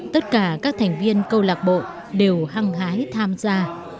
tất cả các thành viên câu lạc bộ đều hăng hái tham gia